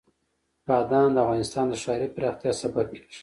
بادام د افغانستان د ښاري پراختیا سبب کېږي.